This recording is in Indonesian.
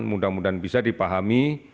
mudah mudahan bisa dipahami